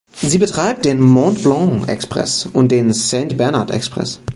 Sie betreibt den "Mont-Blanc Express" und den "Saint-Bernard Express".